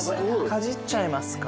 かじっちゃいますか？